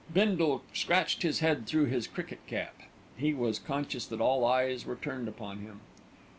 Bindle scratched his head through his cricket cap. He was conscious that all eyes were turned upon him.